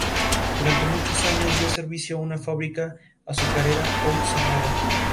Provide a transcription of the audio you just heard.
Tras este rey se mencionan cinco reyes más, como Dudu y Šu-Turul.